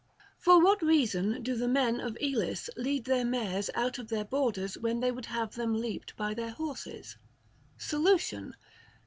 For what reason do the men of Elis lead their mares out of their borders when they would have them leaped by their horses ? Solution.